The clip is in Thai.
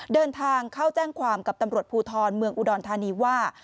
เดินทางเข้าแจ้งความกับตำรวจภูทรเมืองอุดรธานีว่า